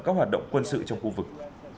các hoạt động quân sự trong khu vực